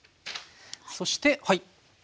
そしてはい。